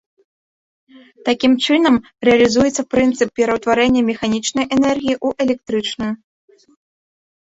Такім чынам, рэалізуецца прынцып пераўтварэння механічнай энергіі ў электрычную.